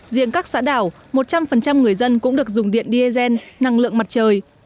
riêng các xã đảo một trăm linh người dân cũng được dùng điện diesel năng lượng mặt trời